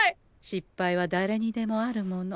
失敗はだれにでもあるもの。